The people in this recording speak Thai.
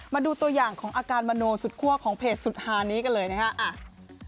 มาดูตัวอย่างของอาการมโนสุดคั่วของเพจสุดฮานี้กันเลยนะครับ